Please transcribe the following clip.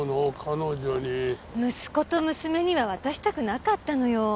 息子と娘には渡したくなかったのよ。